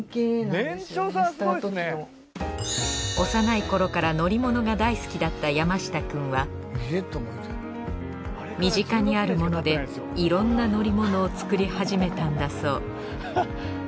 幼い頃から乗り物が大好きだった山下くんは身近にあるものでいろんな乗り物を作り始めたんだそう